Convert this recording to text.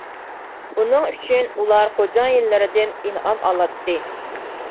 بۇنىڭ ئۈچۈن ئۇلار خوجايىنلىرىدىن ئىنئام ئالاتتى.